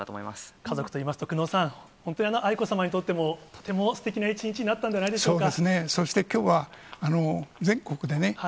家族といいますと、久能さん、愛子さまにとっても、とてもいい一日になったんじゃないでしょうか。